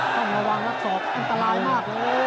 ต้องระวังนัดสอกอันตรายมาก